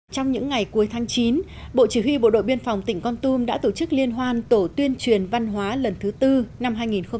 trong những ngày cuối tháng chín bộ chỉ huy bộ đội biên phòng tỉnh con tum đã tổ chức liên hoan tổ tuyên truyền văn hóa lần thứ tư năm hai nghìn một mươi chín